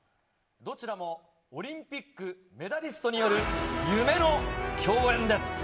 どちらもオリンピックメダリストによる夢の競演です。